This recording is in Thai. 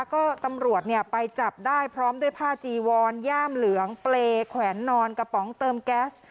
ก็ตำรวจไปจับได้พร้อมด้วยผ้าจีวอนย่ามเหลืองเปรย์แขวนนอนกระป๋องเติมแก๊ส